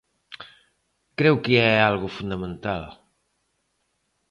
Creo que é algo fundamental.